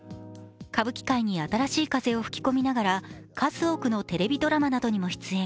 歌舞伎界に新しい風を吹き込みながら数多くのテレビドラマなどにも出演。